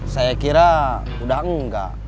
saya kira udah enggak